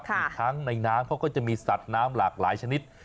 อีกทั้งในน้ำเขาก็จะมีสัตว์น้ำหลากหลายชนิด